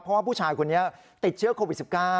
เพราะว่าผู้ชายคนนี้ติดเชื้อโควิด๑๙